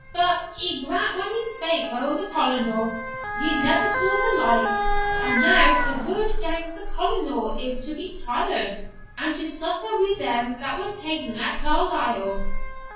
But he grat when he spak o' the Colonel, ye never saw the like. And now the word gangs the Colonel is to be tried, and to suffer wi' them that were ta'en at Carlisle.'